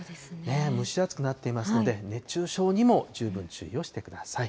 蒸し暑くなっていますので、熱中症にも十分注意をしてください。